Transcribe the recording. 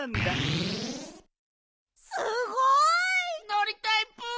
すごい！のりたいプ！